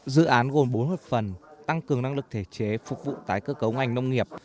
dự án gồm bốn hợp phần tăng cường năng lực thể chế phục vụ tái cơ cấu ngành nông nghiệp